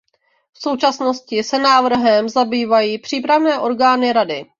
V současnosti se návrhem zabývají přípravné orgány Rady.